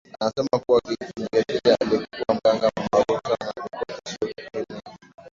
anasema kuwa Kinjeketile alikuwa mganga maarufu sana na alikuwa tishio katika eneo hili